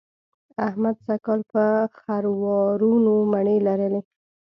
احمد سږ کال په خروارونو مڼې لرلې.